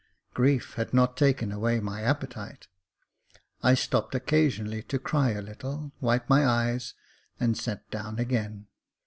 Grief had not taken away my appetite. I stopped occasionally to cry a little, wiped my eyes, and sat down again.